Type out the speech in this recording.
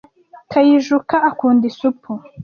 kayijuka akunda isupu